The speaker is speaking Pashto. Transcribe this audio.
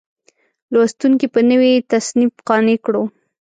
لوستونکي په نوي تصنیف قانع کړو.